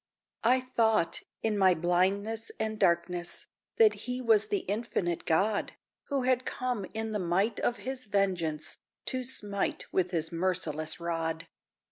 I thought, in my blindness and darkness, That he was the Infinite God, Who had come in the might of his vengeance To smite with his merciless rod.